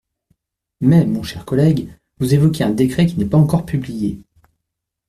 Mais, mon cher collègue, vous évoquez un décret qui n’est pas encore publié.